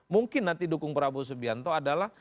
mungkin nanti dukung prabowo subianto adalah